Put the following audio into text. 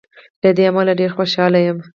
له دې امله ډېر خوشاله یم.